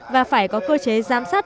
và phải có cơ chế giám sát